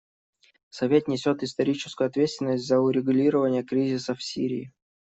Совет несет историческую ответственность за урегулирование кризиса в Сирии.